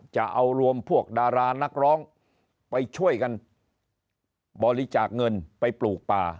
จะเอารวมพวกดารานักร้องไปช่วยกันบริจาคเงินไปปลูกป่า